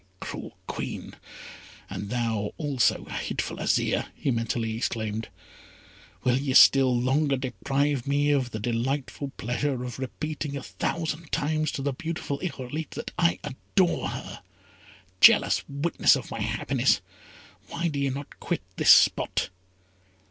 "Cruel Queen, and thou, also, hateful Azire!" he mentally exclaimed; "will ye still longer deprive me of the delightful pleasure of repeating a thousand times to the beautiful Irolite that I adore her! Jealous witnesses of my happiness, why do ye not quit this spot?